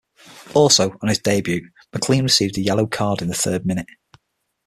Also, on his debut, MacLean received a yellow card in the third minute.